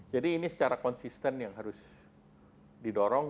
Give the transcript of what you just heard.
jadi ini secara konsisten yang harus didorong